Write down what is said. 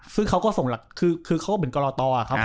คือเขาก็เป็นกลอตอ